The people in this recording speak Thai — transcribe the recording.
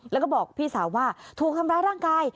แล้วก็บอกพี่สาวว่าถูกทำร้ายร่างกาย